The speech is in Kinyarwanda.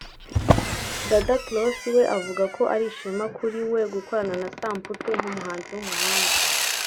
Dada Cross we avuga ko ari ishema kuri we gukorana na Samputu nk’umuhanzi w’umuhanga